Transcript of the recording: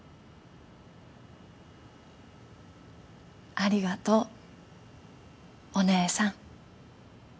ありがとうお姉さん。